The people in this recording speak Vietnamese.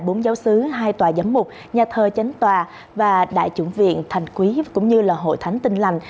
tại bốn giáo sứ hai tòa giám mục nhà thơ chánh tòa đại chủng viện thành quý cũng như hội thánh tinh lành